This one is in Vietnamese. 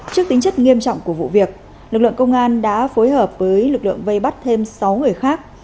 trước tính chất nghiêm trọng của vụ việc lực lượng công an đã phối hợp với lực lượng vây bắt thêm sáu người khác